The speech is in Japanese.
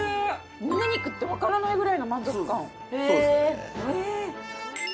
むね肉って分からないぐらいの満足感。